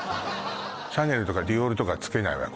シャネルとかディオールとかつけないわよ